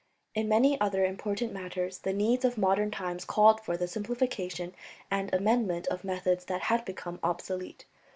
In many other important matters the needs of modern times called for the simplification and amendment of methods that had become obsolete.